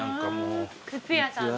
靴屋さんでしょ。